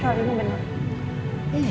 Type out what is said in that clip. kamu percaya sama aku dong